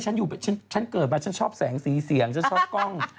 ใช่ฉันเกิดมาชอบแสงสีเสี่ยงชอบกล้อง